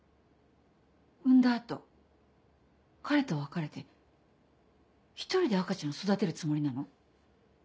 産んだ後彼と別れて１人で赤ちゃん育てるつもりなの？